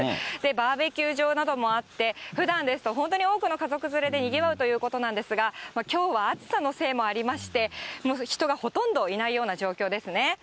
バーベキュー場などもあって、ふだんですと本当に多くの家族連れでにぎわうということなんですが、きょうは暑さのせいもありまして、人がほとんどいないような状況ですね。